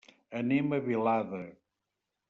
Anem a Vilada.